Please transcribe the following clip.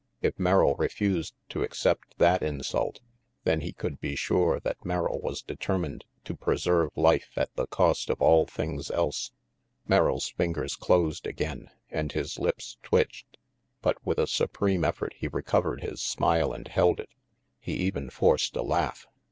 If Merrill refused to accept that insult, then he could be sure that Merrill was determined to preserve life at the cost of all things else. Merrill's fingers closed again, and his lips twitched. But with a supreme effort he recovered his smile and held it. He even forced a laugh.